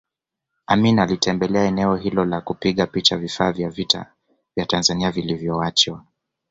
Amin alitembelea eneo hilo na kupiga picha vifaa vya vita vya Tanzania vilivyoachwa